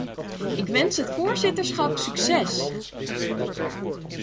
Ik wens het voorzitterschap succes!